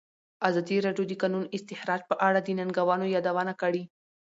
ازادي راډیو د د کانونو استخراج په اړه د ننګونو یادونه کړې.